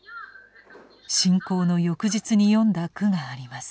侵攻の翌日に詠んだ句があります。